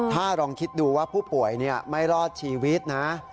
ถ้าลองคิดดูว่าผู้ป่วยไม่รอดชีวิตนะ